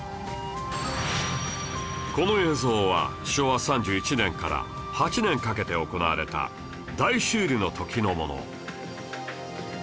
この映像は昭和３１年から８年かけて行われた大修理の時のもの